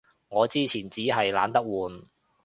我之前衹係懶得換